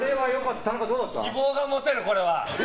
希望が持てる、これは。